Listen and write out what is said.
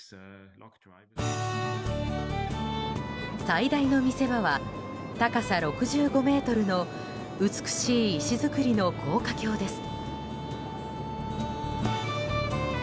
最大の見せ場は高さ６５ｍの美しい石造りの高架橋です。